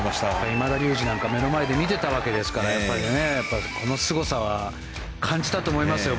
今田竜二なんか目の前で見てたわけですからこのすごさは感じたと思いますよ。